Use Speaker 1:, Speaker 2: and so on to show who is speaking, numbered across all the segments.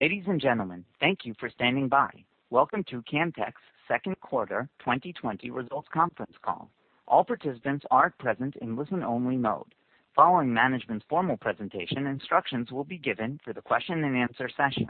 Speaker 1: Ladies and gentlemen, thank you for standing by. Welcome to Camtek's second quarter 2020 results conference call. All participants are present in listen-only mode. Following management's formal presentation, instructions will be given for the question and answer session.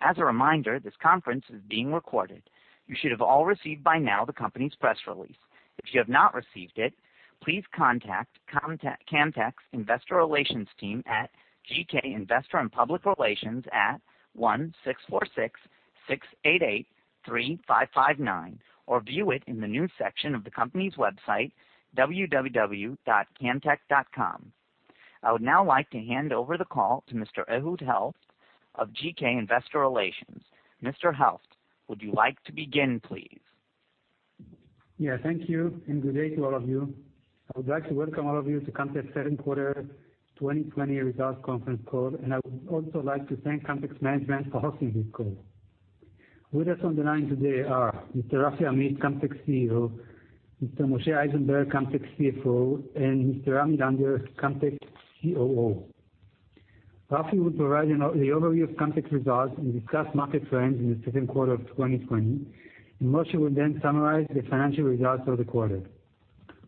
Speaker 1: As a reminder, this conference is being recorded. You should have all received by now the company's press release. If you have not received it, please contact Camtek's investor relations team at GK Investor & Public Relations at 1-646-688-3559 or view it in the news section of the company's website, www.camtek.com. I would now like to hand over the call to Mr. Ehud Helft of GK Investor Relations. Mr. Helft, would you like to begin, please?
Speaker 2: Yeah, thank you, and good day to all of you. I would like to welcome all of you to Camtek's second quarter 2020 results conference call, and I would also like to thank Camtek's management for hosting this call. With us on the line today are Mr. Rafi Amit, Camtek's CEO, Mr. Moshe Eisenberg, Camtek's CFO, and Mr. Ramy Langer, Camtek's COO. Rafi will provide the overview of Camtek's results and discuss market trends in the second quarter of 2020. Moshe will then summarize the financial results of the quarter.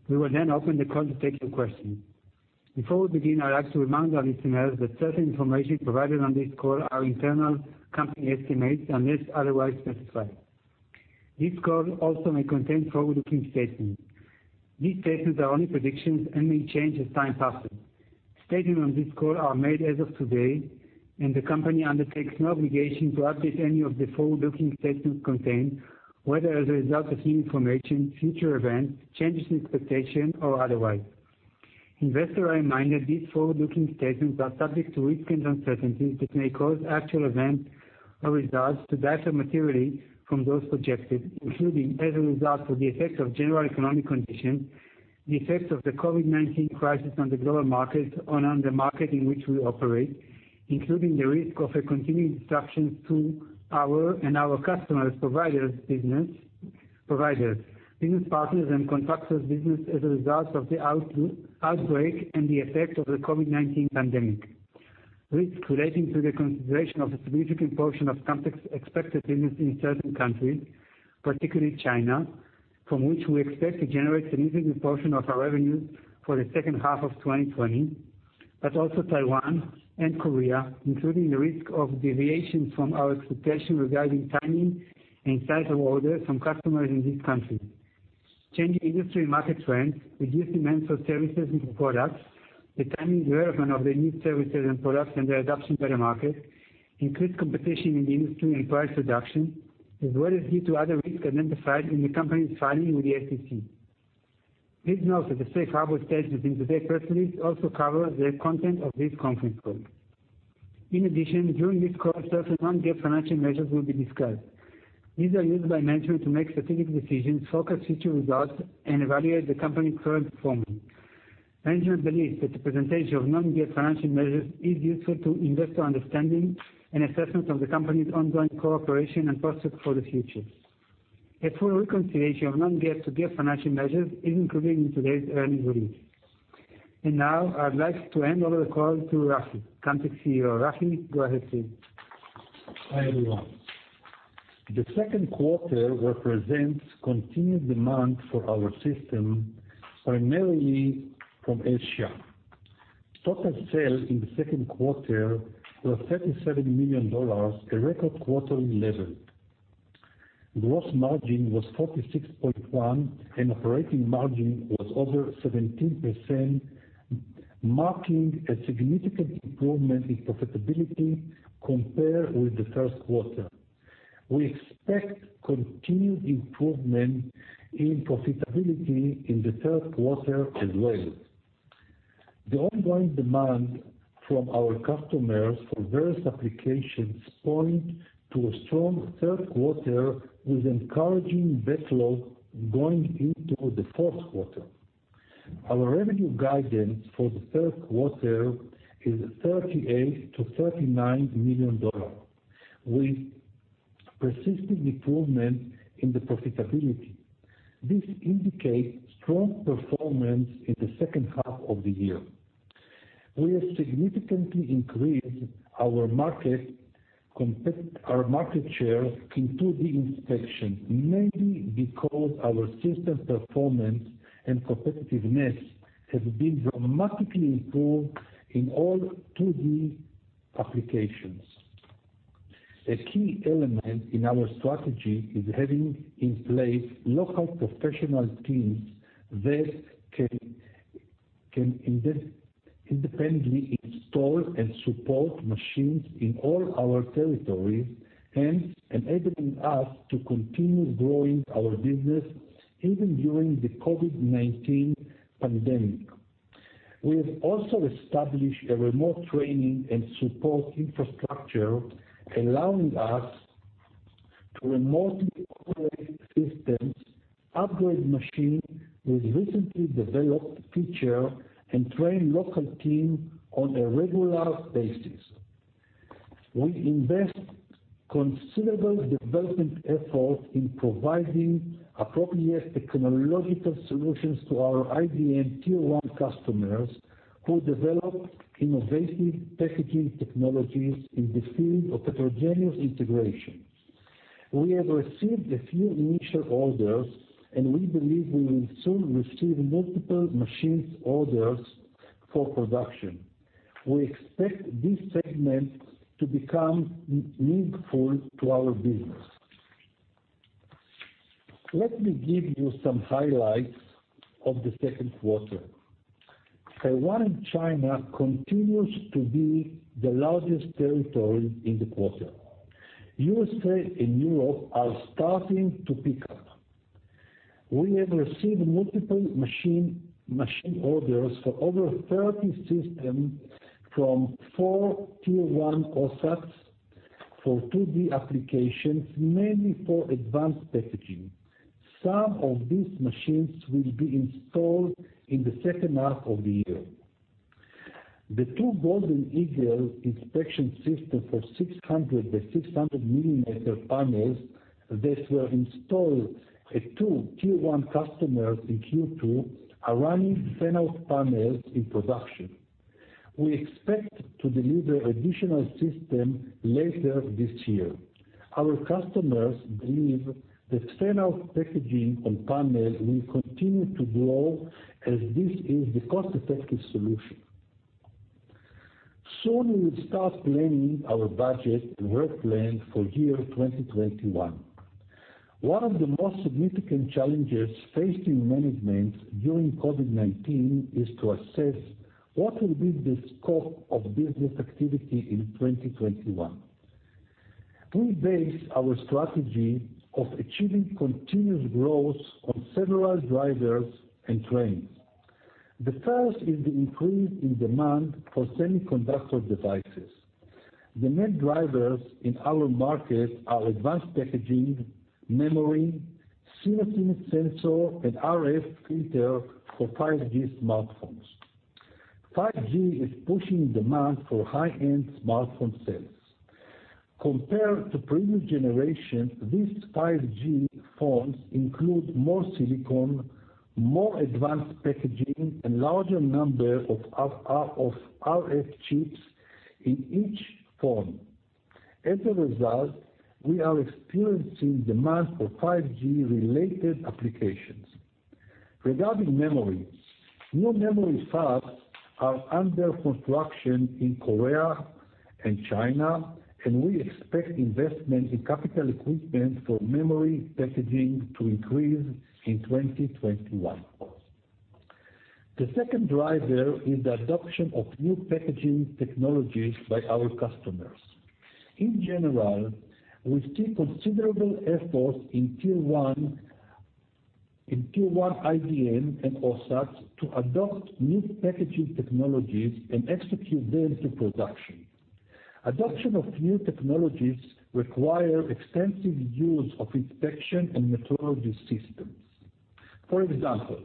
Speaker 2: We will then open the call to take some questions. Before we begin, I'd like to remind our listeners that certain information provided on this call are internal company estimates unless otherwise specified. This call also may contain forward-looking statements. These statements are only predictions and may change as time passes. Statements on this call are made as of today, and the company undertakes no obligation to update any of the forward-looking statements contained, whether as a result of new information, future events, changes in expectation, or otherwise. Investors are reminded these forward-looking statements are subject to risks and uncertainties that may cause actual events or results to differ materially from those projected, including as a result of the effects of general economic conditions, the effects of the COVID-19 crisis on the global market and on the market in which we operate, including the risk of a continued disruption to our and our customers', providers business partners and contractors business as a result of the outbreak and the effect of the COVID-19 pandemic. Risks relating to the concentration of a significant portion of Camtek's expected business in certain countries, particularly China, from which we expect to generate a significant portion of our revenue for the second half of 2020, but also Taiwan and Korea, including the risk of deviation from our expectation regarding timing and size of orders from customers in these countries. Changing industry market trends, reduced demand for services and products, the timing, development of the new services and products, and the adoption by the market, increased competition in the industry and price reduction, as well as due to other risks identified in the company's filing with the SEC. Please note that the safe harbor statements in today's press release also cover the content of this conference call. In addition, during this call, certain non-GAAP financial measures will be discussed. These are used by management to make strategic decisions, focus future results, and evaluate the company's current performance. Management believes that the presentation of non-GAAP financial measures is useful to investor understanding and assessment of the company's ongoing cooperation and prospects for the future. A full reconciliation of non-GAAP to GAAP financial measures is included in today's earnings release. Now, I'd like to hand over the call to Rafi, Camtek's CEO. Rafi, go ahead please.
Speaker 3: Hi, everyone. The second quarter represents continued demand for our system, primarily from Asia. Total sales in the second quarter were $37 million, a record quarterly level. Gross margin was 46.1% and operating margin was over 17%, marking a significant improvement in profitability compared with the first quarter. We expect continued improvement in profitability in the third quarter as well. The ongoing demand from our customers for various applications point to a strong third quarter with encouraging backlog going into the fourth quarter. Our revenue guidance for the third quarter is $38 million-$39 million, with persistent improvement in the profitability. This indicates strong performance in the second half of the year. We have significantly increased our market share in 2D inspection, mainly because our system performance and competitiveness have been dramatically improved in all 2D applications. A key element in our strategy is having in place local professional teams that can independently install and support machines in all our territories and enabling us to continue growing our business even during the COVID-19 pandemic. We have also established a remote training and support infrastructure allowing us to remotely operate systems, upgrade machine with recently developed feature, and train local team on a regular basis. We invest considerable development effort in providing appropriate technological solutions to our IDM tier 1 customers who develop innovative packaging technologies in the field of heterogeneous integration. We have received a few initial orders, we believe we will soon receive multiple machine orders for production. We expect this segment to become meaningful to our business. Let me give you some highlights of the second quarter. Taiwan and China continues to be the largest territory in the quarter. USA and Europe are starting to pick up. We have received multiple machine orders for over 30 systems from four tier 1 OSATs for 2D applications, mainly for advanced packaging. Some of these machines will be installed in the second half of the year. The two Golden Eagle inspection systems for 600 by 600 mm panels that were installed at two tier 1 customers in Q2 are running fan-out panels in production. We expect to deliver additional systems later this year. Our customers believe that fan-out packaging on panels will continue to grow, as this is the cost-effective solution. Soon we will start planning our budget and work plan for year 2021. One of the most significant challenges facing management during COVID-19 is to assess what will be the scope of business activity in 2021. We base our strategy of achieving continuous growth on several drivers and trends. The first is the increase in demand for semiconductor devices. The main drivers in our market are advanced packaging, memory, sensor, and RF filter for 5G smartphones. 5G is pushing demand for high-end smartphone sales. Compared to previous generations, these 5G phones include more silicon, more advanced packaging, and larger number of RF chips in each phone. As a result, we are experiencing demand for 5G related applications. Regarding memory, new memory fabs are under construction in Korea and China, and we expect investment in capital equipment for memory packaging to increase in 2021. The second driver is the adoption of new packaging technologies by our customers. In general, we see considerable efforts in tier 1 IDM and OSATs to adopt new packaging technologies and execute them to production. Adoption of new technologies require extensive use of inspection and metrology systems. For example,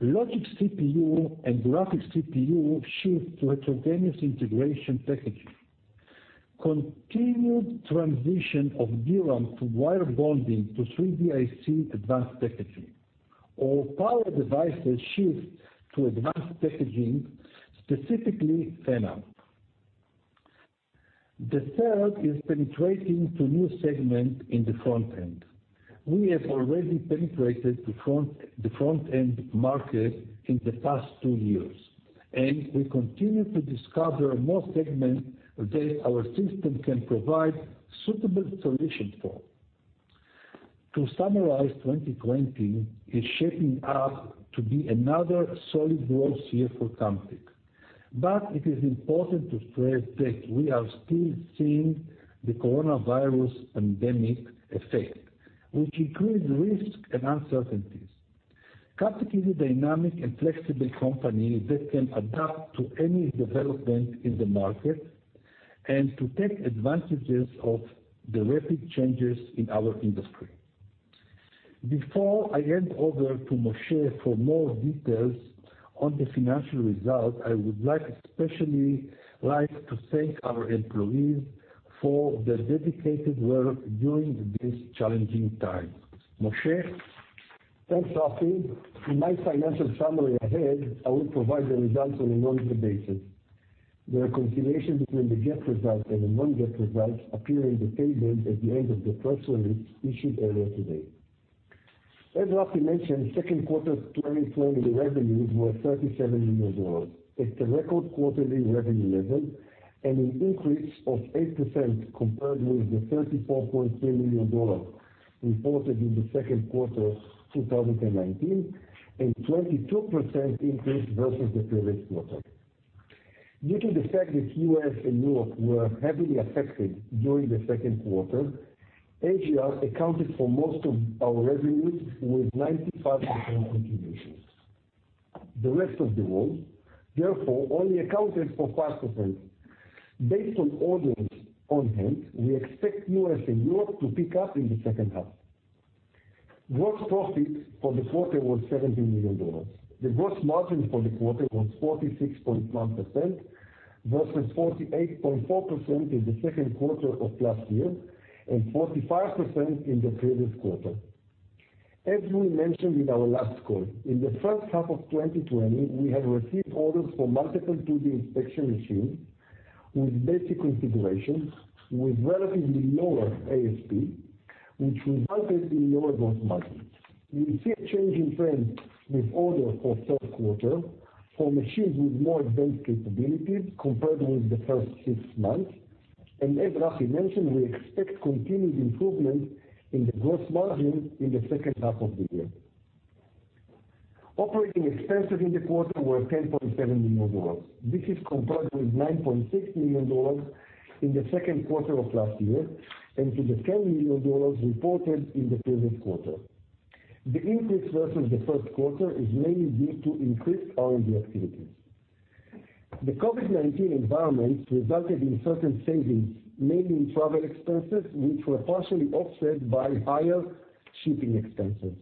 Speaker 3: logic CPU and graphics CPU shift to heterogeneous integration packaging. Continued transition of DRAM to wire bonding to 3D IC advanced packaging. Power devices shift to advanced packaging, specifically fan-out. The third is penetrating to new segment in the front end. We have already penetrated the front-end market in the past two years, and we continue to discover more segments that our system can provide suitable solutions for. To summarize, 2020 is shaping up to be another solid growth year for Camtek. It is important to stress that we are still seeing the coronavirus pandemic effect, which includes risks and uncertainties. Camtek is a dynamic and flexible company that can adapt to any development in the market, and to take advantages of the rapid changes in our industry. Before I hand over to Moshe for more details on the financial results, I would especially like to thank our employees for their dedicated work during this challenging time. Moshe?
Speaker 4: Thanks, Rafi. In my financial summary ahead, I will provide the results on a non-GAAP basis. The reconciliation between the GAAP results and the non-GAAP results appear in the tables at the end of the press release issued earlier today. As Rafi mentioned, second quarter 2020 revenues were $37 million. It's a record quarterly revenue level, and an increase of 8% compared with the $34.3 million reported in the second quarter 2019, and 22% increase versus the previous quarter. Due to the fact that U.S. and Europe were heavily affected during the second quarter, Asia accounted for most of our revenues with 95% contribution. The rest of the world, therefore, only accounted for 5%. Based on orders on hand, we expect U.S. and Europe to pick up in the second half. Gross profit for the quarter was $17 million. The gross margin for the quarter was 46.1%, versus 48.4% in the second quarter of last year, and 45% in the previous quarter. As we mentioned in our last call, in the first half of 2020, we have received orders for multiple 2D inspection machines with basic configurations with relatively lower ASP, which resulted in lower gross margins. We see a change in trend with orders for third quarter for machines with more advanced capabilities compared with the first six months. As Rafi mentioned, we expect continued improvement in the gross margin in the second half of the year. Operating expenses in the quarter were $10.7 million. This is compared with $9.6 million in the second quarter of last year and to the $10 million reported in the previous quarter. The increase versus the first quarter is mainly due to increased R&D activities. The COVID-19 environment resulted in certain savings, mainly in travel expenses, which were partially offset by higher shipping expenses.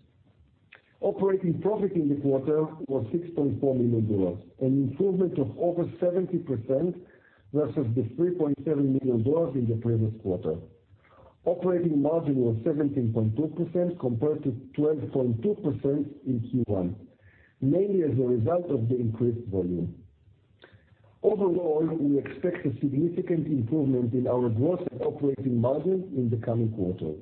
Speaker 4: Operating profit in this quarter was $6.4 million, an improvement of over 70% versus the $3.7 million in the previous quarter. Operating margin was 17.2% compared to 12.2% in Q1, mainly as a result of the increased volume. Overall, we expect a significant improvement in our gross and operating margin in the coming quarters.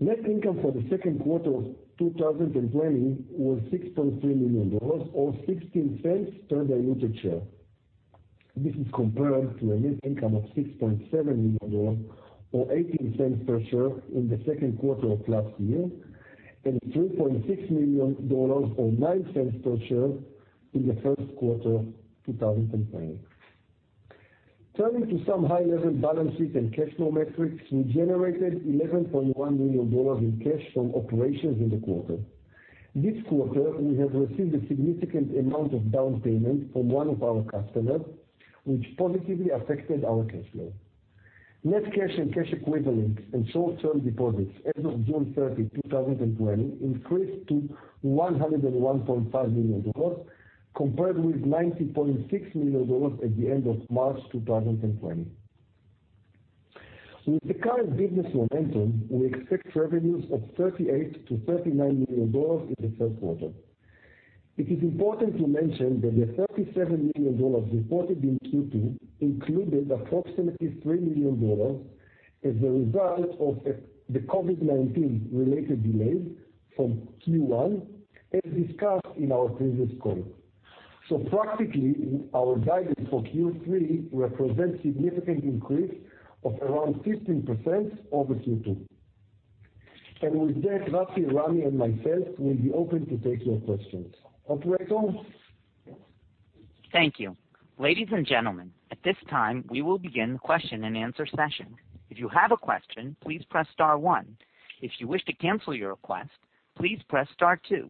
Speaker 4: Net income for the second quarter of 2020 was $6.3 million or $0.16 per diluted share. This is compared to a net income of $6.7 million or $0.18 per share in the second quarter of last year and $3.6 million or $0.09 per share in the first quarter 2020. Turning to some high-level balance sheet and cash flow metrics, we generated $11.1 million in cash from operations in the quarter. This quarter, we have received a significant amount of down payment from one of our customers, which positively affected our cash flow. Net cash and cash equivalents and short-term deposits as of June 30, 2020 increased to $101.5 million compared with $90.6 million at the end of March 2020. With the current business momentum, we expect revenues of $38 million-$39 million in the third quarter. It is important to mention that the $37 million reported in Q2 included approximately $3 million as a result of the COVID-19 related delays from Q1, as discussed in our previous call. Practically, our guidance for Q3 represents significant increase of around 15% over Q2. With that, Rafi, Ramy, and myself will be open to take your questions. Operator?
Speaker 1: Thank you. Ladies and gentlemen, at this time, we will begin the question and answer session. If you have a question, please press star one. If you wish to cancel your request, please press star two.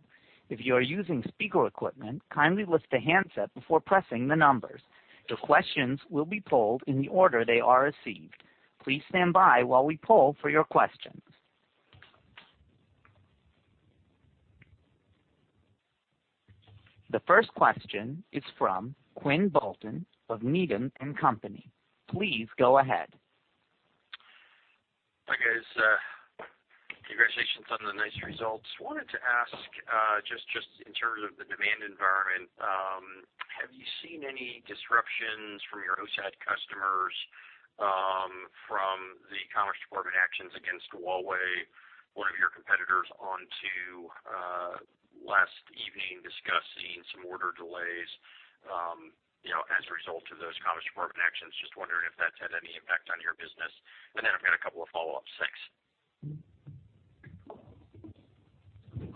Speaker 1: If you are using speaker equipment, kindly lift the handset before pressing the numbers. Your questions will be polled in the order they are received. Please stand by while we poll for your questions. The first question is from Quinn Bolton of Needham & Company. Please go ahead.
Speaker 5: Hi, guys. Congratulations on the nice results. Wanted to ask, just in terms of the demand environment, have you seen any disruptions from your OSAT customers from the Commerce Department actions against Huawei? One of your competitors onto last evening discussed seeing some order delays as a result of those Commerce Department actions. Just wondering if that's had any impact on your business, and then I've got a couple of follow-ups. Thanks.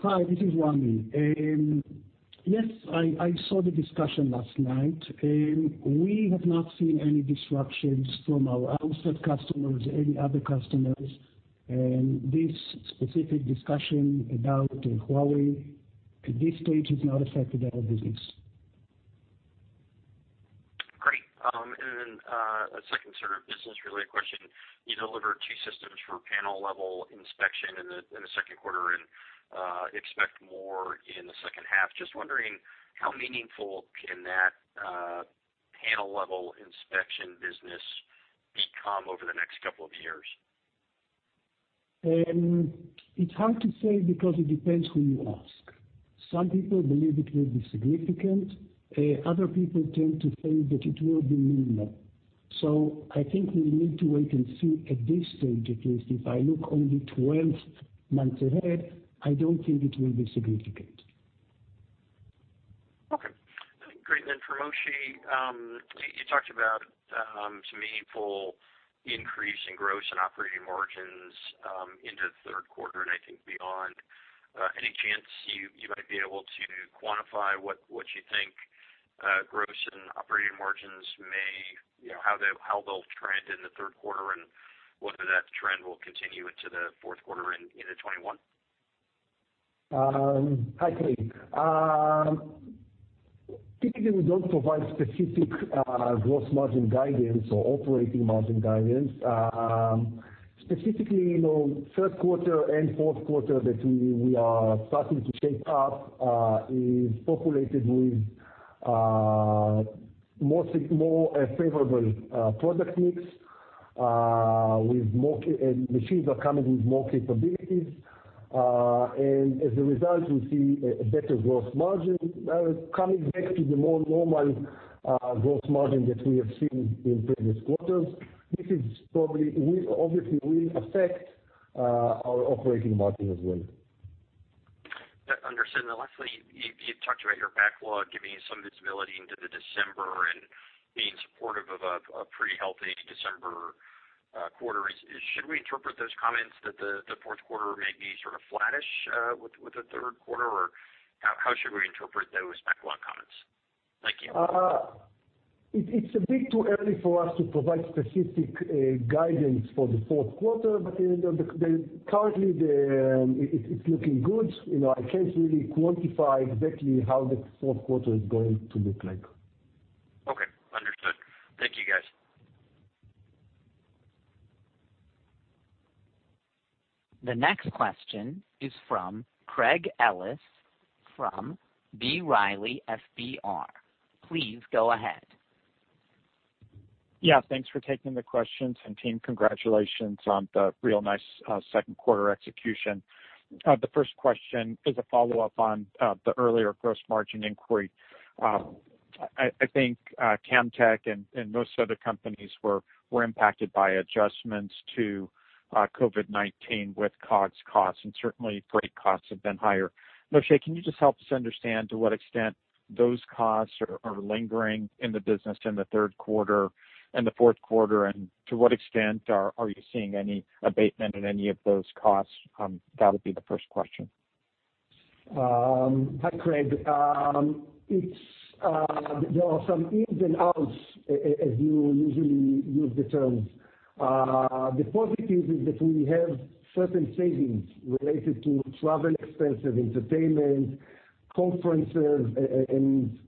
Speaker 6: Hi, this is Ramy. Yes, I saw the discussion last night. We have not seen any disruptions from our OSAT customers, any other customers. This specific discussion about Huawei, at this stage, has not affected our business.
Speaker 5: Great. A second business-related question. You delivered two systems for panel-level inspection in the second quarter and expect more in the second half. Just wondering how meaningful can that panel-level inspection business become over the next couple of years?
Speaker 6: It's hard to say because it depends who you ask. Some people believe it will be significant. Other people tend to think that it will be minimal. I think we need to wait and see at this stage, at least. If I look only 12 months ahead, I don't think it will be significant.
Speaker 5: Okay. Great. For Moshe, you talked about some meaningful increase in gross and operating margins into the third quarter and I think beyond. Any chance you might be able to quantify what you think gross and operating margins, how they'll trend in the third quarter, and whether that trend will continue into the fourth quarter and into 2021?
Speaker 4: I can. Typically, we don't provide specific gross margin guidance or operating margin guidance. Specifically, third quarter and fourth quarter that we are starting to shape up is populated with more favorable product mix and machines are coming with more capabilities. As a result, we see a better gross margin. Coming back to the more normal gross margin that we have seen in previous quarters. This obviously will affect our operating margin as well.
Speaker 5: Understood. Lastly, you talked about your backlog giving you some visibility into the December and being supportive of a pretty healthy December quarter. Should we interpret those comments that the fourth quarter may be sort of flattish with the third quarter? How should we interpret those backlog comments? Thank you.
Speaker 4: It's a bit too early for us to provide specific guidance for the fourth quarter. Currently it's looking good. I can't really quantify exactly how the fourth quarter is going to look like.
Speaker 5: Okay. Understood. Thank you, guys.
Speaker 1: The next question is from Craig Ellis from B. Riley FBR. Please go ahead.
Speaker 7: Yeah, thanks for taking the questions. Team, congratulations on the real nice second quarter execution. The first question is a follow-up on the earlier gross margin inquiry. I think Camtek and most other companies were impacted by adjustments to COVID-19 with COGS costs, and certainly freight costs have been higher. Moshe, can you just help us understand to what extent those costs are lingering in the business in the third quarter and the fourth quarter, and to what extent are you seeing any abatement in any of those costs? That would be the first question.
Speaker 4: Hi, Craig. There are some ifs and ands as you usually use the terms. The positive is that we have certain savings related to travel expenses, entertainment, conferences, and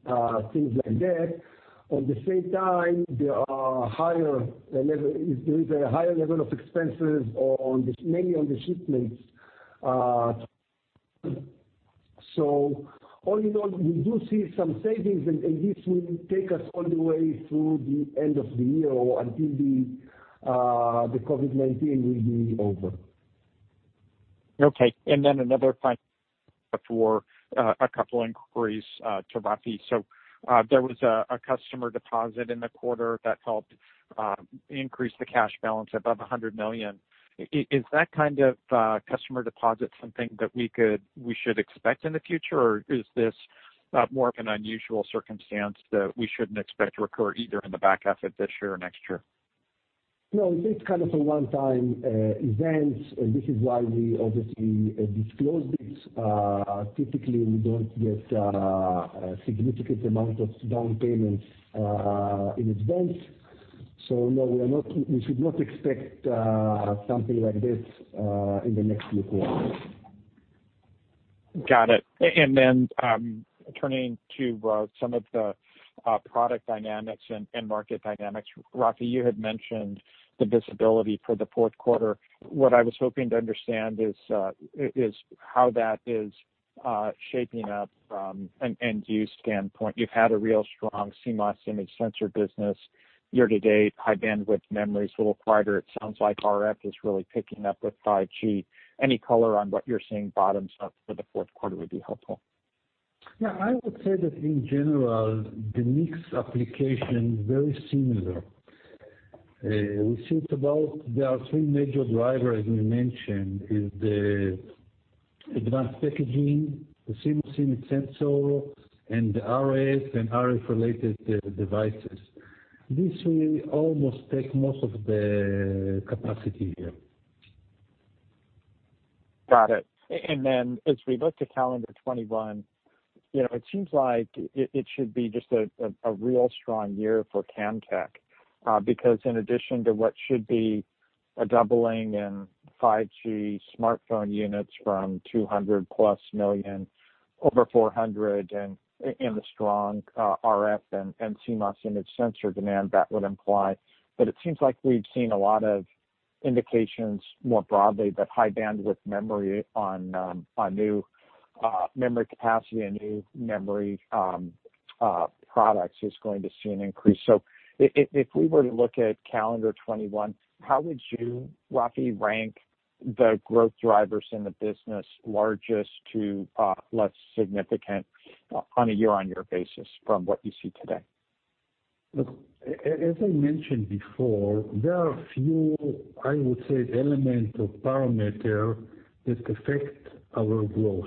Speaker 4: things like that. On the same time, there is a higher level of expenses mainly on the shipments. All in all, we do see some savings, and this will take us all the way through the end of the year or until the COVID-19 will be over.
Speaker 7: Okay. Another final for a couple inquiries to Rafi. There was a customer deposit in the quarter that helped increase the cash balance above $100 million. Is that kind of customer deposit something that we should expect in the future, or is this more of an unusual circumstance that we shouldn't expect to recur either in the back half of this year or next year?
Speaker 3: No, this is kind of a one-time event. This is why we obviously disclose this. Typically, we don't get a significant amount of down payments in advance. No, you should not expect something like this in the next few quarters.
Speaker 7: Got it. Turning to some of the product dynamics and market dynamics, Rafi, you had mentioned the visibility for the fourth quarter. What I was hoping to understand is how that is shaping up from an end-use standpoint. You've had a real strong CMOS image sensor business year to date, High Bandwidth Memory's a little quieter. It sounds like RF is really picking up with 5G. Any color on what you're seeing bottom up for the fourth quarter would be helpful.
Speaker 3: Yeah, I would say that in general, the mix application very similar. We see it about there are three major drivers we mentioned, is the advanced packaging, the CMOS image sensor, and the RF and RF related devices. This will almost take most of the capacity here.
Speaker 7: Got it. As we look to calendar 2021, it seems like it should be just a real strong year for Camtek. In addition to what should be a doubling in 5G smartphone units from $200+ million, over $400 million, and the strong RF and CMOS image sensor demand that would imply. It seems like we've seen a lot of indications more broadly that High Bandwidth Memory on new memory capacity and new memory products is going to see an increase. If we were to look at calendar 2021, how would you, Rafi, rank the growth drivers in the business largest to less significant on a year-on-year basis from what you see today?
Speaker 3: Look, as I mentioned before, there are a few, I would say, elements of parameter that affect our growth.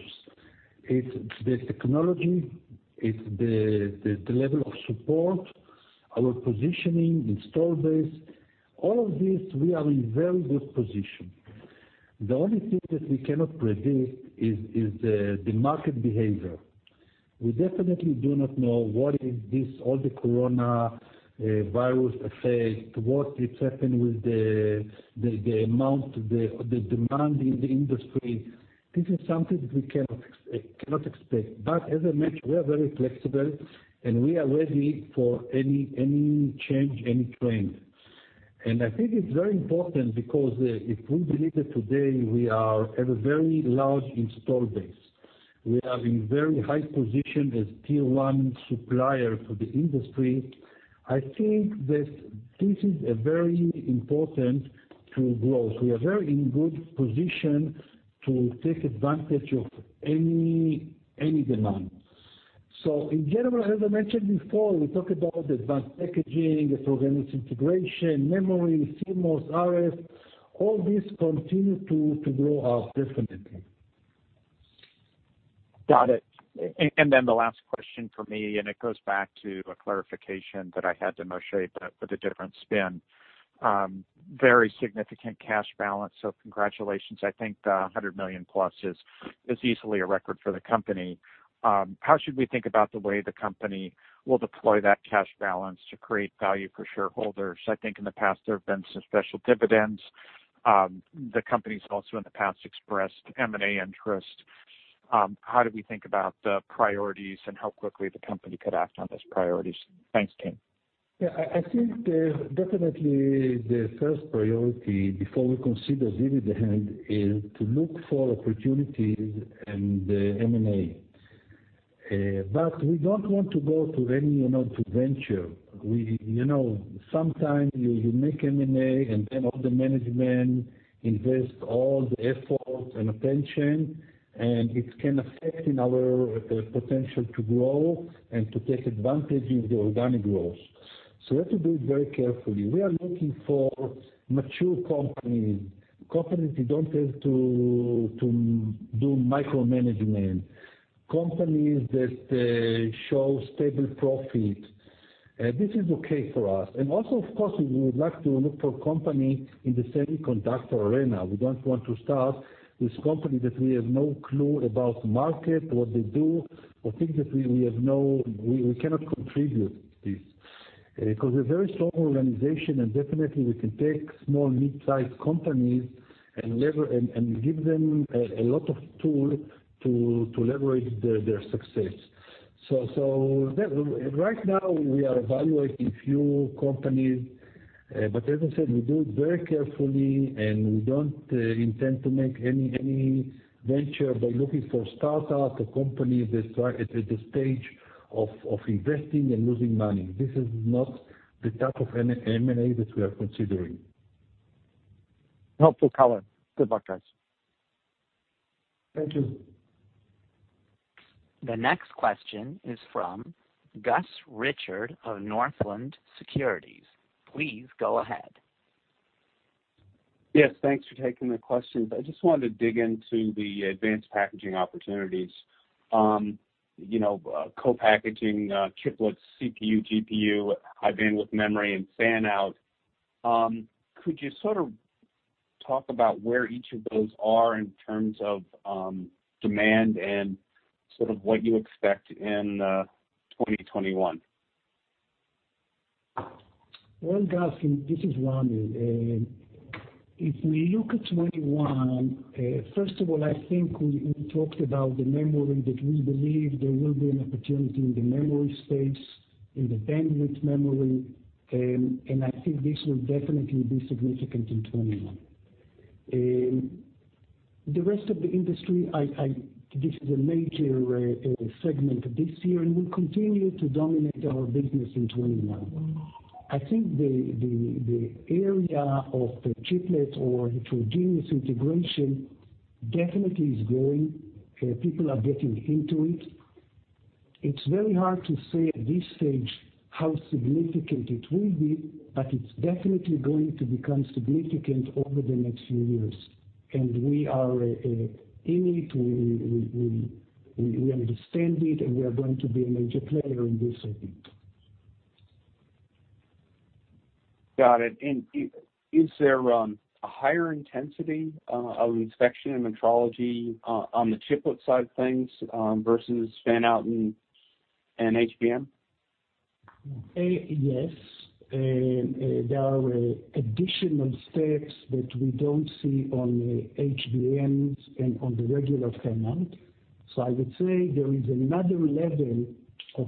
Speaker 3: It's the technology, it's the level of support, our positioning, install base. All of these, we are in very good position. The only thing that we cannot predict is the market behaviour. We definitely do not know what is this, all the coronavirus effect, what it happened with the demand in the industry. This is something that we cannot expect. As I mentioned, we are very flexible, and we are ready for any change, any trend. I think it's very important because if we believe that today we have a very large install base. We are in very high position as tier 1 supplier to the industry. I think that this is a very important to grow. We are in very good position to take advantage of any demand. In general, as I mentioned before, we talk about advanced packaging, heterogeneous integration, memory, CMOS, RF. All this continue to grow up, definitely.
Speaker 7: Got it. Then the last question from me, and it goes back to a clarification that I had to Moshe, but with a different spin. Very significant cash balance, congratulations. I think the $100 million plus is easily a record for the company. How should we think about the way the company will deploy that cash balance to create value for shareholders? I think in the past there have been some special dividends. The company's also in the past expressed M&A interest. How do we think about the priorities and how quickly the company could act on those priorities? Thanks, team.
Speaker 3: Yeah, I think definitely the first priority before we consider dividend is to look for opportunities in the M&A. We don't want to go to any venture. Sometimes you make M&A, all the management invest all the effort and attention, and it can affect our potential to grow and to take advantage of the organic growth. We have to do it very carefully. We are looking for mature companies we don't have to do micromanagement, companies that show stable profit. This is okay for us. Also, of course, we would like to look for company in the semiconductor arena. We don't want to start with company that we have no clue about market, what they do, or things that we cannot contribute this. We're very strong organization, and definitely we can take small, mid-size companies and give them a lot of tool to leverage their success. Right now, we are evaluating few companies. As I said, we do it very carefully, and we don't intend to make any venture by looking for startup or company that's at the stage of investing and losing money. This is not the type of M&A that we are considering.
Speaker 7: Helpful color. Good luck, guys.
Speaker 3: Thank you.
Speaker 1: The next question is from Gus Richard of Northland Securities. Please go ahead.
Speaker 8: Thanks for taking the questions. I just wanted to dig into the advanced packaging opportunities. Co-packaging, chiplets, CPU, GPU, High Bandwidth Memory, and fan-out. Could you sort of talk about where each of those are in terms of demand and sort of what you expect in 2021?
Speaker 6: Well, Gus, this is Ramy. If we look at 2021, first of all, I think we talked about the memory that we believe there will be an opportunity in the memory space, in the bandwidth memory, and I think this will definitely be significant in 2021. The rest of the industry, this is a major segment this year, and will continue to dominate our business in 2021. I think the area of the chiplet or heterogeneous integration definitely is growing. People are getting into it. It's very hard to say at this stage how significant it will be, but it's definitely going to become significant over the next few years. We are in it, we understand it, and we are going to be a major player in this, I think.
Speaker 8: Got it. Is there a higher intensity of inspection and metrology on the chiplet side of things versus fan-out and HBM?
Speaker 6: Yes. There are additional steps that we don't see on HBMs and on the regular fan-out. I would say there is another level of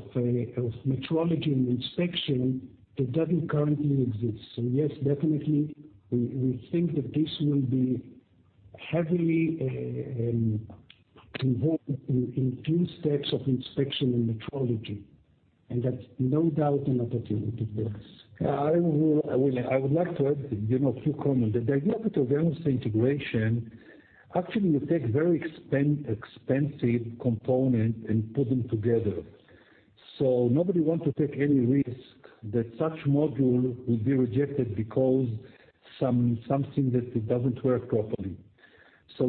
Speaker 6: metrology and inspection that doesn't currently exist. Yes, definitely, we think that this will be heavily involved in few steps of inspection and metrology, and that's no doubt an opportunity for us.
Speaker 3: I would like to add a few comment. The heterogeneous integration, actually, you take very expensive component and put them together. Nobody want to take any risk that such module will be rejected because something that it doesn't work properly.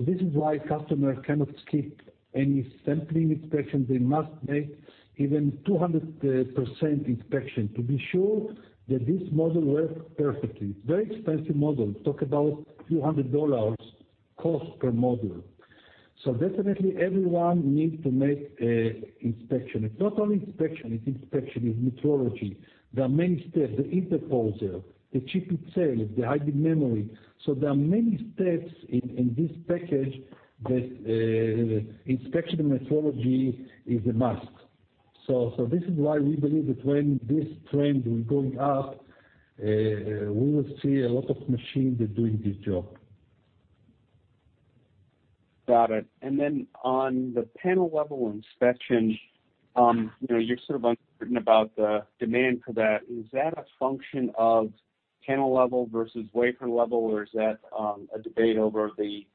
Speaker 3: This is why customer cannot skip any sampling inspection. They must make even 200% inspection to be sure that this module work perfectly. It's very expensive module. Talk about few hundred dollars cost per module. Definitely everyone needs to make inspection. It's not only inspection, it's inspection, it's metrology. There are many steps. The interposer, the chip itself, the HBM. There are many steps in this package that inspection and metrology is a must. This is why we believe that when this trend will going up, we will see a lot of machines doing this job.
Speaker 8: Got it. On the panel-level inspection, you're sort of uncertain about the demand for that. Is that a function of panel-level versus wafer-level, or is that a debate over the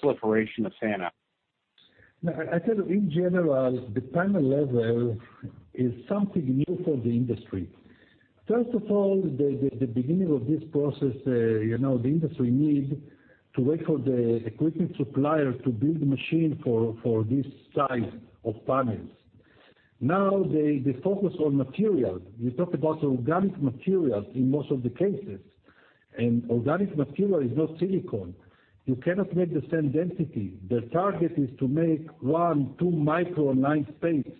Speaker 8: proliferation of fan-out?
Speaker 3: I tell you, in general, the panel level is something new for the industry. First of all, the beginning of this process, the industry need to wait for the equipment supplier to build the machine for this size of panels. Now, they focus on material. We talk about organic materials in most of the cases, organic material is not silicon. You cannot make the same density. The target is to make one, two micron line space.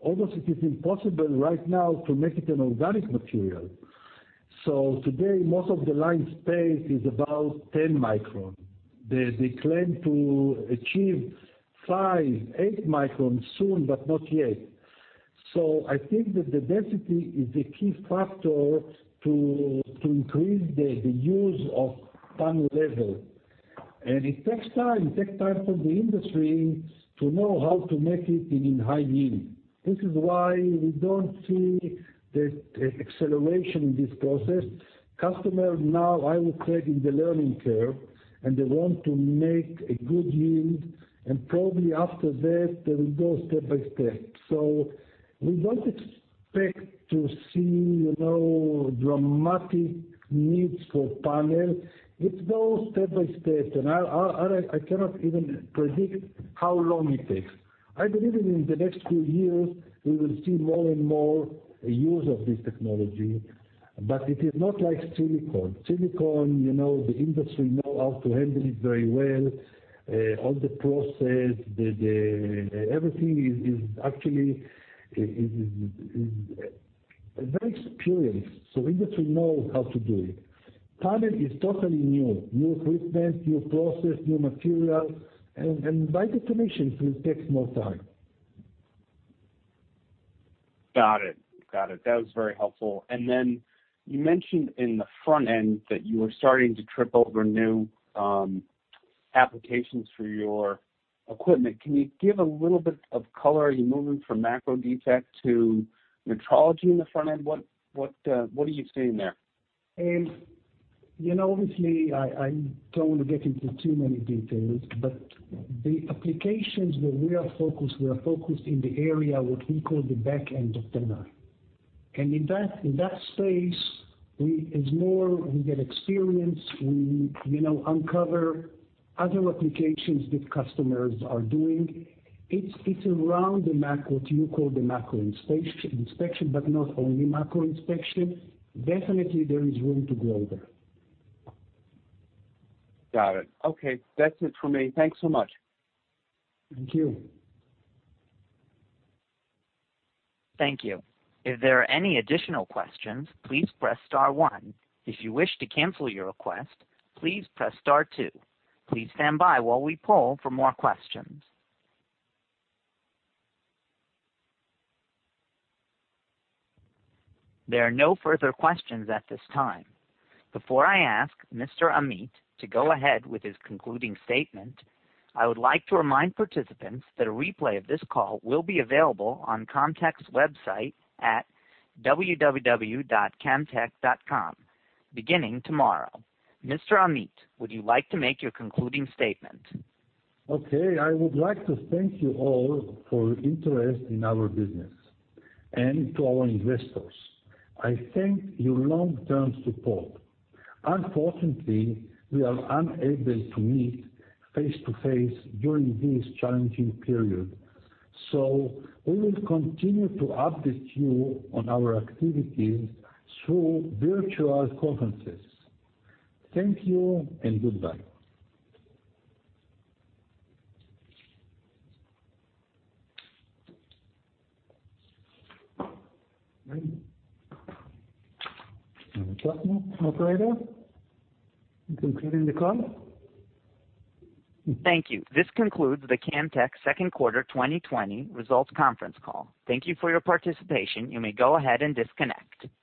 Speaker 3: Almost it is impossible right now to make it an organic material. Today, most of the line space is about 10 micron. They claim to achieve five, eight micron soon, not yet. I think that the density is the key factor to increase the use of panel level. It takes time for the industry to know how to make it in high yield. This is why we don't see the acceleration in this process. Customer now, I would say, in the learning curve, and they want to make a good yield, and probably after that they will go step by step. We don't expect to see dramatic needs for panel. It goes step by step, and I cannot even predict how long it takes. I believe that in the next few years, we will see more and more use of this technology, but it is not like silicon. Silicon, the industry know how to handle it very well. All the process, everything is actually is very experienced. Industry know how to do it. Panel is totally new. New equipment, new process, new material, and by definition, it will take more time.
Speaker 8: Got it. That was very helpful. Then you mentioned in the front end that you were starting to trip over new applications for your equipment. Can you give a little bit of color? Are you moving from macro inspection to metrology in the front end? What are you seeing there?
Speaker 3: Obviously, I don't want to get into too many details, but the applications where we are focused, we are focused in the area what we call the back end of the line. In that space, we get experience. We uncover other applications that customers are doing. It's around the macro, what you call the macro inspection, but not only macro inspection. Definitely, there is room to grow there.
Speaker 8: Got it. Okay. That's it for me. Thanks so much.
Speaker 3: Thank you.
Speaker 1: Thank you. If there are any additional questions, please press star one. If you wish to cancel your request, please press star two. Please stand by while we poll for more questions. There are no further questions at this time. Before I ask Mr. Amit to go ahead with his concluding statement, I would like to remind participants that a replay of this call will be available on Camtek's website at www.camtek.com beginning tomorrow. Mr. Amit, would you like to make your concluding statement?
Speaker 3: Okay. I would like to thank you all for your interest in our business. To our investors, I thank your long-term support. Unfortunately, we are unable to meet face-to-face during this challenging period, so we will continue to update you on our activities through virtual conferences. Thank you and goodbye. Any questions, operator? Concluding the call?
Speaker 1: Thank you. This concludes the Camtek second quarter 2020 results conference call. Thank you for your participation. You may go ahead and disconnect.